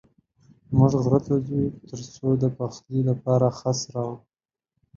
موږ غره ته ځو تر څو د پخلي لپاره خس راوړو.